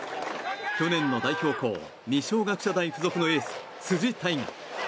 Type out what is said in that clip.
去年の代表校二松学舎大付属のエース辻大雅。